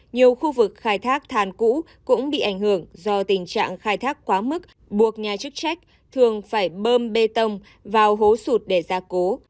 nhiều khu vực khai thác than cũ cũng bị ảnh hưởng do tình trạng khai thác quá mức buộc nhà chức trách thường phải bơm bê tông vào hố sụt để ra cố